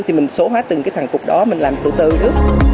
thì mình số hóa từng cái thằng cục đó mình làm từ từ